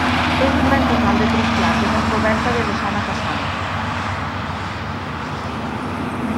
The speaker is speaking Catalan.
És un gran casal de tres plantes amb coberta de vessant a façana.